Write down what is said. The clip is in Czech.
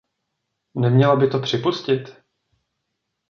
Neměla by to připustit?